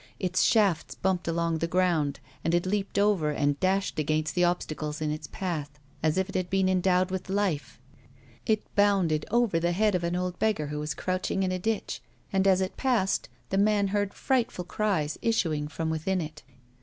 Its shafts bumped along the ground and it leapt over and dashed against the obstacles in its path, as if it had been endowed with life ; it bounded over the head of an old beggar who was crouching in a ditch, and, as it passed, the man heard frightful cries issuing from within it.